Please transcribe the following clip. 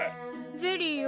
ゼリーよ